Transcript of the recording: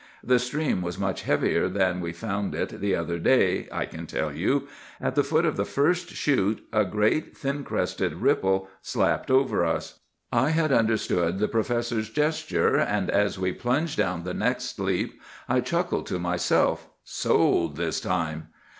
The stream was much heavier than we found it the other day, I can tell you. At the foot of the first chute a great thin crested ripple slapped over us. "I had understood the professor's gesture; and, as we plunged down the next leap, I chuckled to myself, 'Sold this time!